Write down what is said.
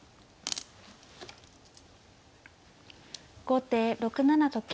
後手６七と金。